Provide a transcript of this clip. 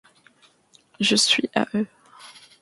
Je suis à eux.